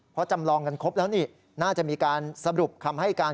เพราะจำลองกันครบแล้วนี่น่าจะมีการสรุปคำให้การ